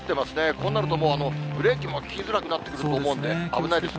こうなると、もうブレーキも利きづらくなってくると思うので、危ないです。